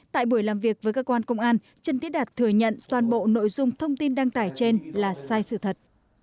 tại buổi làm việc với cơ quan công an trần tiến đạt thừa nhận toàn bộ nội dung thông tin đăng tải trên là sai sự thật